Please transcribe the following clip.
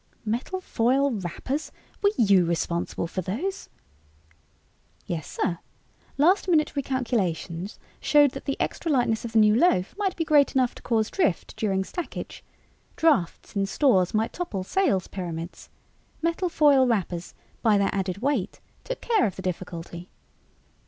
"Metal foil wrappers? Were you responsible for those?" "Yes, sir. Last minute recalculations showed that the extra lightness of the new loaf might be great enough to cause drift during stackage. Drafts in stores might topple sales pyramids. Metal foil wrappers, by their added weight, took care of the difficulty."